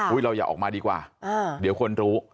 เราอย่าออกมาดีกว่าเดี๋ยวคนรู้